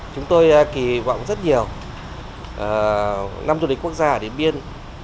chúng tôi kỳ vọng rất nhiều năm du lịch quốc gia ở điện biên